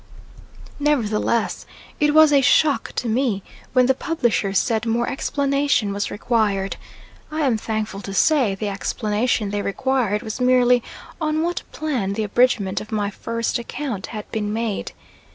Nevertheless, it was a shock to me when the publishers said more explanation was required. I am thankful to say the explanation they required was merely on what plan the abridgment of my first account had been made.